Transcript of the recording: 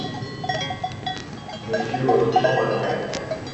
Monsieur, votre chambre est prête.